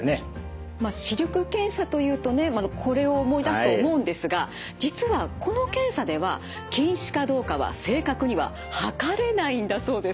まあ視力検査というとねこれを思い出すと思うんですが実はこの検査では近視かどうかは正確には測れないんだそうです。